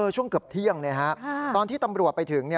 ช่วงเกือบเที่ยงตอนที่ตำรวจไปถึง